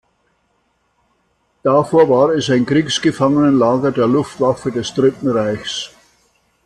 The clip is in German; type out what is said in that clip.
Davor war es ein Kriegsgefangenenlager der Luftwaffe des Dritten Reiches.